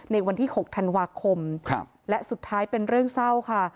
วันที่๖ธันวาคมและสุดท้ายเป็นเรื่องเศร้าค่ะ